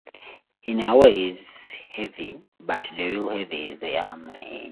In a way he's a 'heavy' but the real heavy is the Army.